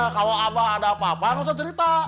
kalau abang ada apa apa nggak usah cerita